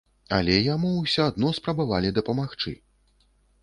Але яму ўсё адно спрабавалі дапамагчы.